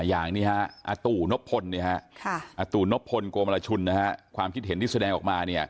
อย่างนี้ฮะอาตู่นบพลอาตู่นพลโกมรชุนความคิดเห็นที่แสดงออกมา